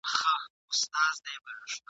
نه د شین سترګي تعویذ ګر له کوډو ..